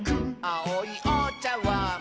「あおいおちゃわん」